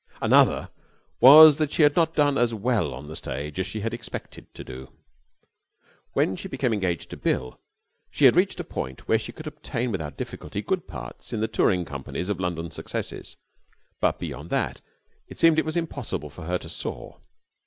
Another was that she had not done as well on the stage as she had expected to do. When she became engaged to Bill she had reached a point where she could obtain without difficulty good parts in the touring companies of London successes, but beyond that it seemed it was impossible for her to soar.